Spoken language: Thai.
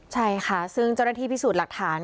ใช่ค่ะซึ่งเจ้าหน้าที่พิสูจน์หลักฐาน